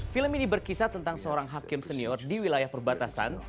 film ini berkisah tentang seorang hakim senior di wilayah perbatasan